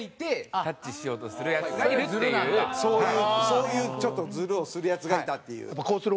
そういうちょっとズルをするヤツがいたっていう。